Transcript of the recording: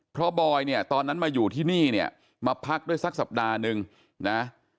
เพราะบอยเนี่ยตอนนั้นมาอยู่ที่นี่เนี่ยมาพักด้วยสักสัปดาห์นึงนะ